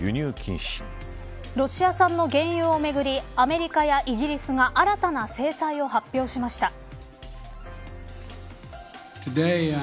ロシア産の原油をめぐりアメリカやイギリスが新たな制裁を発表しました。